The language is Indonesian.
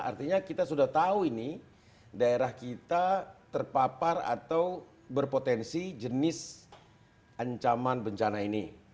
artinya kita sudah tahu ini daerah kita terpapar atau berpotensi jenis ancaman bencana ini